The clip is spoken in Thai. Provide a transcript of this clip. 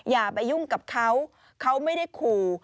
อย่าไปยุ่งกับเขาเขาไม่ได้ขู่